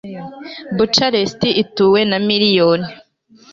Bucharest ituwe na miliyoni